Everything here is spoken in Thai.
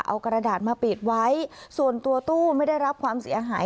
เอากระดาษมาปิดไว้ส่วนตัวตู้ไม่ได้รับความเสียหาย